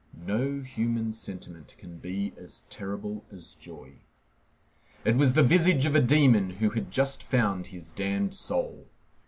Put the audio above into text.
No human sentiment can be as terrible as joy. It was the visage of a demon who has just found his damned soul.